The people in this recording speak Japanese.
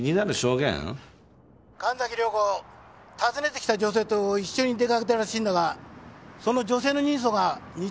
神崎涼子訪ねてきた女性と一緒に出かけたらしいんだがその女性の人相が似てるんだよ